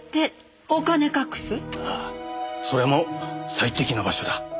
それも最適な場所だ。